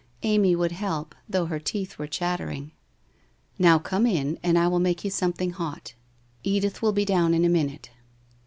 Amy would help, though her teeth were chattering. ' Now come in and I will make you something hot. Edith will be down in a minute.'